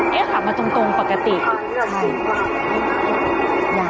นี่ค่ะมาตรงปกติใช่ยาว